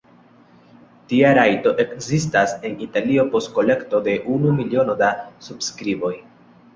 Tia rajto ekzistas en Italio post kolekto de unu miliono da subskriboj.